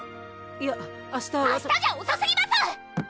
いや明日わた明日じゃおそすぎます！